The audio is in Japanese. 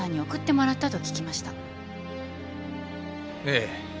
ええ。